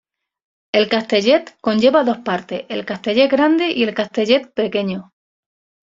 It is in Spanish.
El Castellet conlleva dos partes: el Castellet grande y el Castellet pequeño.